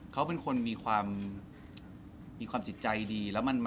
เขาเป็นคนมีความจิตใจดี